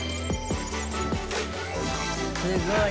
すごい。